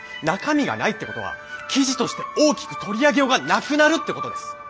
中身がないってことは記事として大きく取り上げようがなくなるってことです！